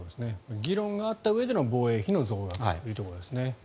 議論があったうえでの防衛費の増額というところ。